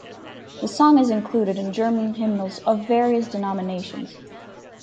The song is included in German hymnals of various denominations.